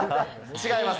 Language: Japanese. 違います。